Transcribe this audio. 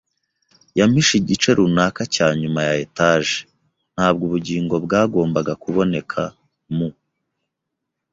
yampishe igice runaka cya nyuma ya etage. Ntabwo ubugingo bwagombaga kuboneka. mu